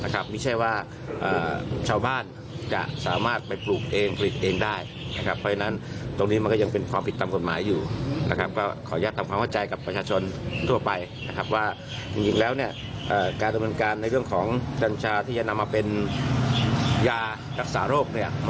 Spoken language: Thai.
เข้าใจผิดตั้งใจปลูกตั้งใจขายหรือเปล่านะครับ